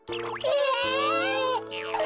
え！？